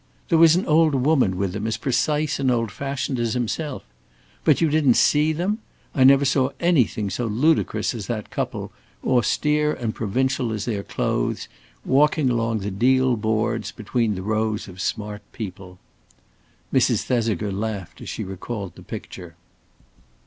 "There was an old woman with him as precise and old fashioned as himself. But you didn't see them? I never saw anything so ludicrous as that couple, austere and provincial as their clothes, walking along the deal boards between the rows of smart people." Mrs. Thesiger laughed as she recalled the picture.